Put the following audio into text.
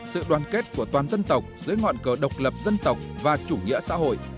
sự đoàn kết của toàn dân tộc dưới ngọn cờ độc lập dân tộc và chủ nghĩa xã hội